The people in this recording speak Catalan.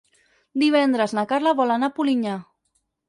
Divendres na Carla vol anar a Polinyà.